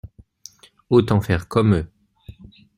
Autant faire comme eux.